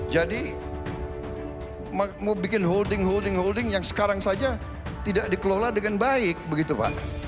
jadi mau bikin holding holding holding yang sekarang saja tidak dikelola dengan baik begitu pak